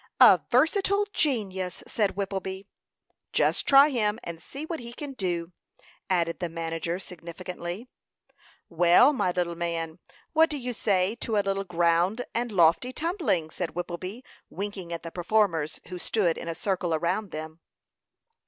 "A versatile genius," said Whippleby. "Just try him, and see what he can do," added the manager, significantly. "Well, my little man, what do you say to a little ground and lofty tumbling," said Whippleby, winking at the performers, who stood in a circle around them.